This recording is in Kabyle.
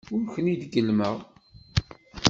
Ur ken-id-gellmeɣ.